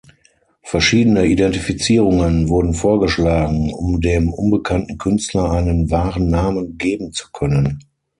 Verschiedene Identifizierungen wurden vorgeschlagen, um dem unbekannten Künstler einen wahren Namen geben zu können.